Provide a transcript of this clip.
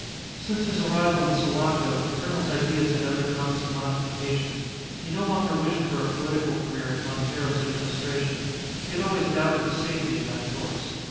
Since his arrival in Sulaco the colonel's ideas had undergone some modification. He no longer wished for a political career in Montero's administration. He had always doubted the safety of that course.